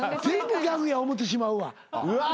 全部ギャグや思うてしまうわ。